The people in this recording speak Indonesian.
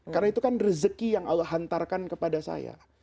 karena itu kan rezeki yang allah hantarkan kepada saya